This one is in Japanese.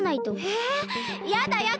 えやだやだ！